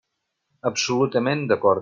Absolutament d'acord.